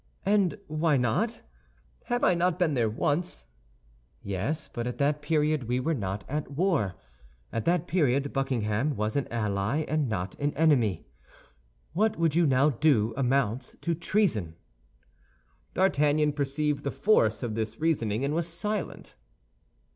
"And why not? Have I not been there once?" "Yes; but at that period we were not at war. At that period Buckingham was an ally, and not an enemy. What you would now do amounts to treason." D'Artagnan perceived the force of this reasoning, and was silent.